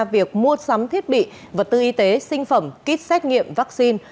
việc mua sắm thiết bị vật tư y tế sinh phẩm kit xét nghiệm vaccine